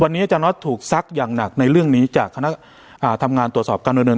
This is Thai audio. วันนี้จะเนาะถูกซักอย่างหนักในเรื่องนี้จากคณะอ่าทำงานตรวจสอบการเดิน